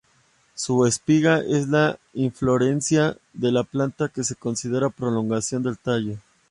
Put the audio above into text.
Su espiga es la inflorescencia de la planta que se considera prolongación del tallo.